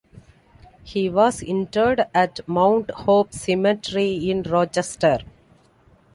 He was interred at Mount Hope Cemetery in Rochester.